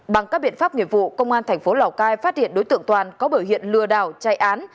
bằng các biện pháp nghiệp vụ công an thành phố lào cai phát hiện đối tượng toàn có biểu hiện lừa đảo chạy án